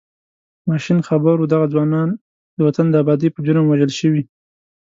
ماشین خبر و دغه ځوانان د وطن د ابادۍ په جرم وژل شوي.